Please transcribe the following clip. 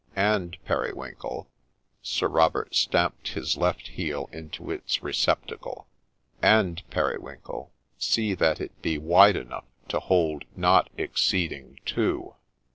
' And, Periwinkle,' — Sir Robert stamped his left heel into its receptacle, —' and, Periwinkle, see that it be wide enough to hold not exceeding two